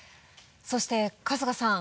そして春日さん。